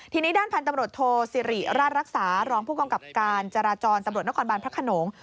ทีนี้ด้านพันธุ์ถนโทซิริรารักษาหลองผู้ก็กำกับการจารจรถนบรรพนธพระขนนม